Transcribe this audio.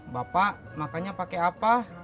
bapak makanya pakai apa